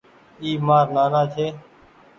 اي مآر نآنآ ڇي۔